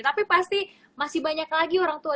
tapi pasti masih banyak lagi orang tua